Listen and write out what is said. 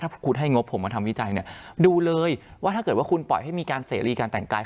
ถ้าคุณให้งบผมมาทำวิจัยเนี่ยดูเลยว่าถ้าเกิดว่าคุณปล่อยให้มีการเสรีการแต่งกาย